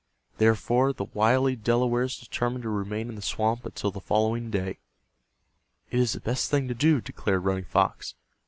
Therefore, the wily Delawares determined to remain in the swamp until the following day. "It is the best thing to do," declared Running Fox.